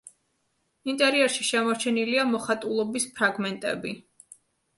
ინტერიერში შემორჩენილია მოხატულობის ფრაგმენტები.